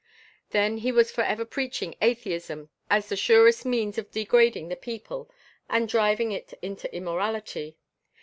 Then he was forever preaching atheism, as the surest means of degrading the people and driving it into immorality.